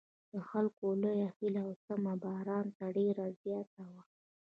د خلکو لویه هیله او تمه باران ته ډېره زیاته وه.